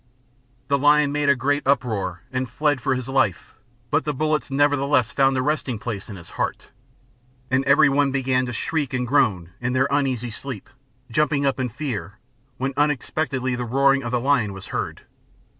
The lion made a great uproar, and fled for his life, but the bullets nevertheless found a resting place in his heart. And everyone began to shriek and groan in their uneasy sleep, jumping up in fear, when unexpectedly the roaring of the lion was heard.